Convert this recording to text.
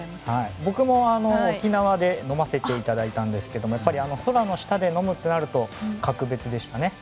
僕も沖縄で飲ませていただいたんですが空の下で飲むとなると格別でしたね。